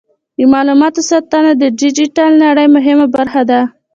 د معلوماتو ساتنه د ډیجیټل نړۍ مهمه برخه ده.